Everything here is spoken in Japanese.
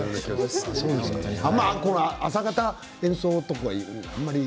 朝方、演奏とかあまり？